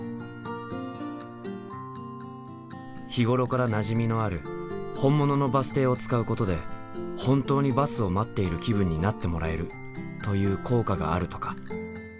日頃からなじみのある本物のバス停を使うことで本当にバスを待っている気分になってもらえるという効果があるとか。